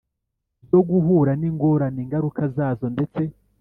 Byo guhura n ingorane ingaruka zazo ndetse